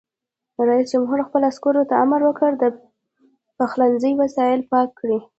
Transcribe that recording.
رئیس جمهور خپلو عسکرو ته امر وکړ؛ د پخلنځي وسایل پاک کړئ!